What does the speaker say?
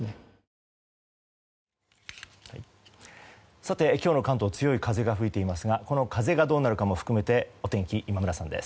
さて、今日の関東強い風が吹いていますがこの風がどうなるかも含めてお天気、今村さんです。